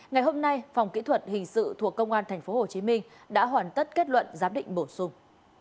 ngày hôm nay phòng kỹ thuật hình sự thuộc công an tp hồ chí minh đã hoàn tất kết luận giám định bổ sung